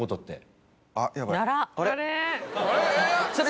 あれ？